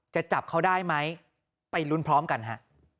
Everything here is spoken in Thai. จะจับเขาได้ไหมไปลุ้นพร้อมกันฮะ